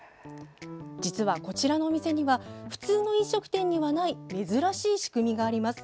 実は、こちらのお店には普通の飲食店にはない珍しい仕組みがあります。